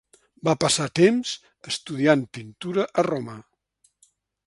Va passar temps estudiant pintura a Roma.